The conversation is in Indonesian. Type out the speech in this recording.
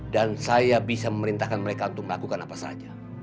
dan saya bisa memerintahkan mereka untuk melakukan apa saja